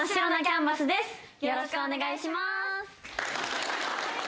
よろしくお願いします。